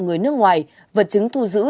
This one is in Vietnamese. người nước ngoài vật chứng thu giữ